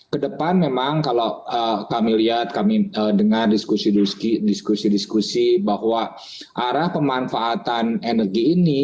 kedepan memang kalau kami lihat kami dengar diskusi diskusi bahwa arah pemanfaatan energi ini